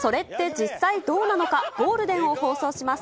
実際どうなの課ゴールデンを放送します。